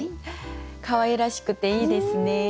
かわいらしくていいですね。